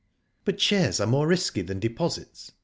" But shares are more risky than deposits